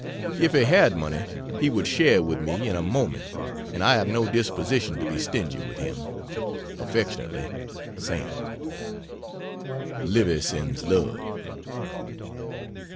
If he had money he would share with me in a moment and I have no disposition to be stingy with him. Affly SAM. Livy sends love.